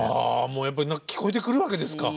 もうやっぱり聴こえてくるわけですか。